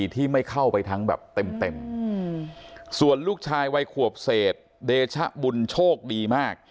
ที่ไม่เข้าไปทั้งแบบเต็ม